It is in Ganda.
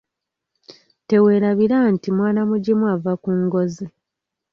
Teweerabira nti mwana mugimu ava ku ngozi.